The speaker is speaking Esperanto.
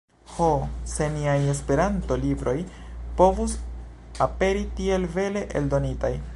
Ho, se niaj Esperanto-libroj povus aperi tiel bele eldonitaj!